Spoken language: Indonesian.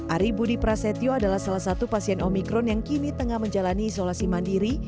ari budi prasetyo adalah salah satu pasien omikron yang kini tengah menjalani isolasi mandiri